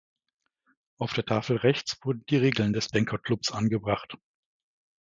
Auf der Tafel rechts wurden die Regeln des Denker-Clubs angebracht.